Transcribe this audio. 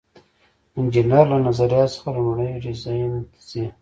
انجینر له نظریاتو څخه لومړني ډیزاین ته ځي.